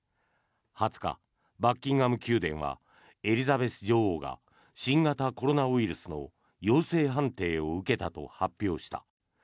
２０日、バッキンガム宮殿はエリザベス女王が新型コロナウイルスの陽性判定を受けたと発表した。